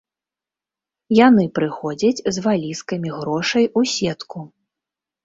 Яны прыходзяць з валізкамі грошай у сетку.